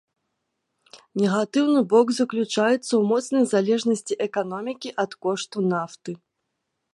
Негатыўны бок заключаецца ў моцнай залежнасці эканомікі ад кошту нафты.